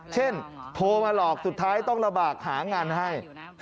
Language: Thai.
โทรมาหลอกสุดท้ายต้องระบากหางานให้